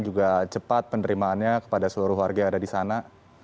juga cepat penerimaannya kepada seluruh warga yang ada di sana